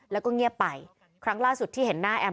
แล้วก็เงียบไปครั้งล่าสุดที่เห็นหน้าแอม